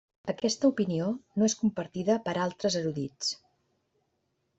Aquesta opinió no és compartida per altres erudits.